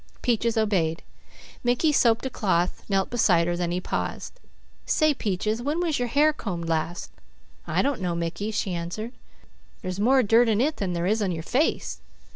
Peaches obeyed. Mickey soaped a cloth, knelt beside her; then he paused. "Say Peaches, when was your hair combed last?" "I don't know, Mickey," she answered. "There's more dirt in it than there is on your face."